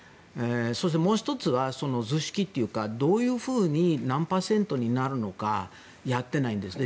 そして、もう１つは図式というかどういうふうに何パーセントになるのかやってないんですね。